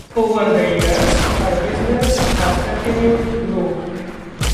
Over the years her business has continued to grow.